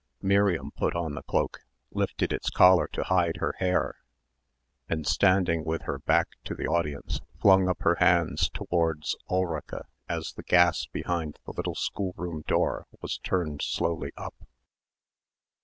Miriam put on the cloak, lifted its collar to hide her hair and standing with her back to the audience flung up her hands towards Ulrica as the gas behind the little schoolroom door was turned slowly up.